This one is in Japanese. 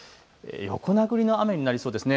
横殴りの雨になりそうですね。